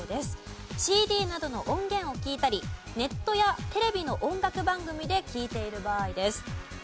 ＣＤなどの音源を聴いたりネットやテレビの音楽番組で聴いている場合です。